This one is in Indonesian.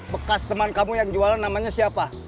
bekas teman kamu yang jualan namanya siapa